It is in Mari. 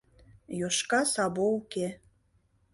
Йошка Сабо уке.